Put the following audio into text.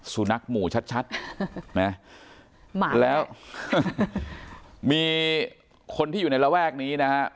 สุนัขหมู่ชัดชัดนะหมาแล้วมีคนที่อยู่ในระแวกนี้นะฮะ